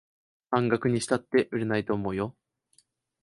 半額にしたって売れないと思うよ